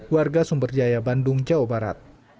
warga sumber jaya bandung jawa barat